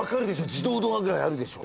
自動ドアぐらいあるでしょ。